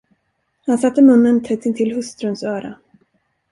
Han satte munnen tätt intill hustruns öra.